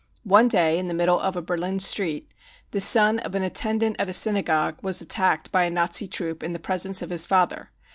One day in the middle of a Berlin street the son of an attendant at a Synagogue was attacked by a Nazi troop in the presence of his father.